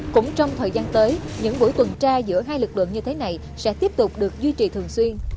cũng trong thời gian tới những buổi tuần tra giữa hai lực lượng như thế này sẽ tiếp tục được duy trì thường xuyên